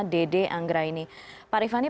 dede anggra ini pak rifani pada saat ini